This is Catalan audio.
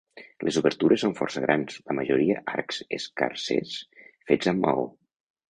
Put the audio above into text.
Les obertures són força grans, la majoria arcs escarsers fets amb maó.